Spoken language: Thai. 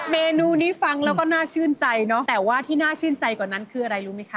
เมนูนี้ฟังแล้วก็น่าชื่นใจเนอะแต่ว่าที่น่าชื่นใจกว่านั้นคืออะไรรู้ไหมคะ